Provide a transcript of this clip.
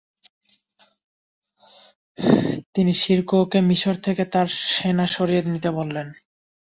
তিনি শিরকুহকে মিশর থেকে তার সেনা সরিয়ে নিতে বলেন।